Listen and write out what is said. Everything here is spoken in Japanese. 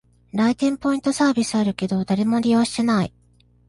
来店ポイントサービスあるけど、誰も利用してない